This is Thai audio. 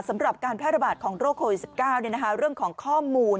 สำหรับการแพร่ระบาดของโรคโควิด๑๙เรื่องของข้อมูล